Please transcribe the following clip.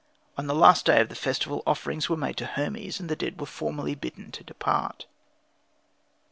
On the last day of the festival offerings were made to Hermes, and the dead were formally bidden to depart.